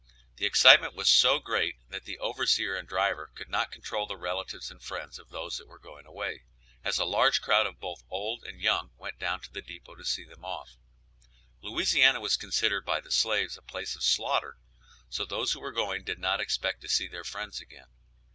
The excitement was so great that the overseer and driver could not control the relatives and friends of those that were going away, as a large crowd of both old and young went down to the depot to see them off. Louisiana was considered by the slaves a place of slaughter, so those who were going did not expect to see their friends again.